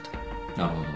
なるほど。